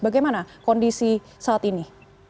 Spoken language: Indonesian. bagaimana kondisi saat ini